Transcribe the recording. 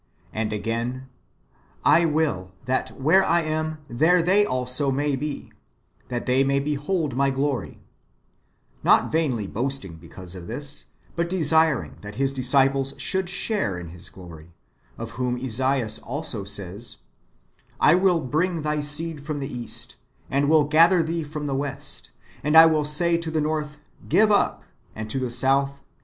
And again, " I will, that where I am, there they also may be, that they may behold my glory ;"^ not vainly boasting because of this, but desiring that His disciples should share in His glory : of whom Esaias also says, " I will bring thy seed from the east, and will gather thee from the west ; and I w^ill say to the north. Give up ; and to the south.